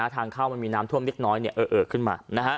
ทางเข้ามันมีน้ำท่วมนิดน้อยเนี่ยเออขึ้นมา